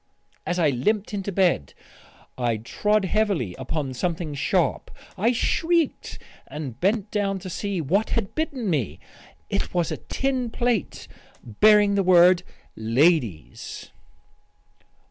As I limped into bed, I trod heavily upon something sharp. I shrieked and bent down to see what had bitten me. It was a tin plate bearing the word "LADIES."